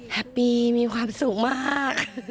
แฮปปี้มีความสุขมาก